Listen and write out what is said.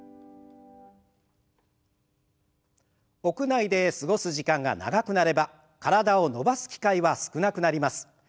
屋内で過ごす時間が長くなれば体を伸ばす機会は少なくなります。